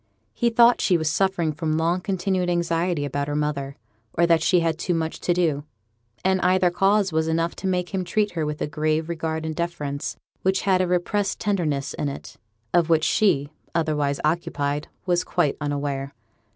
He thought she was suffering from long continued anxiety about her mother, or that she had too much to do; and either cause was enough to make him treat her with a grave regard and deference which had a repressed tenderness in it, of which she, otherwise occupied, was quite unaware.